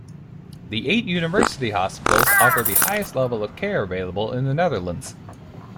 The eight university hospitals offer the highest level of care available in the Netherlands.